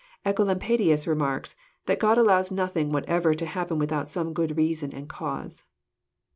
Ecolampadius remarks, that God allows nothing whatever to happen without some good reason and cause.